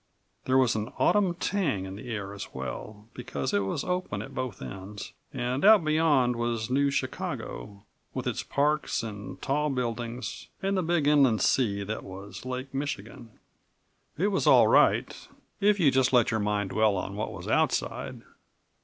There was an autumn tang in the air as well, because it was open at both ends, and out beyond was New Chicago, with its parks and tall buildings, and the big inland sea that was Lake Michigan. It was all right ... if you just let your mind dwell on what was outside.